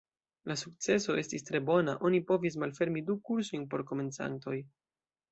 La sukceso estis tre bona; oni povis malfermi du kursojn por komencantoj.